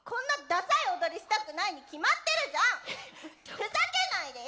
ふざけないでよ！